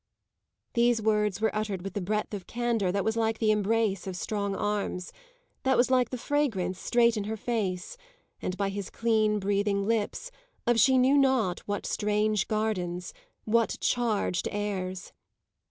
These words were uttered with a breadth of candour that was like the embrace of strong arms that was like the fragrance straight in her face, and by his clean, breathing lips, of she knew not what strange gardens, what charged airs.